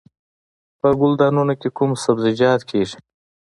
په ګلدانونو کې کوم سبزیجات کیږي؟